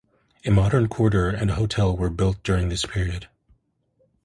A modern quarter and a hotel were built during this period.